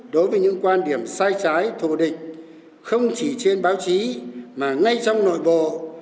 đối với những quan điểm sai trái thù địch không chỉ trên báo chí mà ngay trong nội bộ